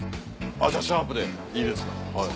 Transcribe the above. じゃあ「シャープ」でいいですか。